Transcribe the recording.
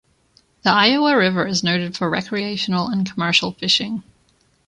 The Iowa River is noted for recreational and commercial fishing.